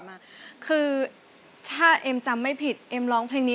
ให้ร้ายให้ร้าย